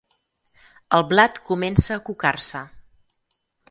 El blat comença a cucar-se.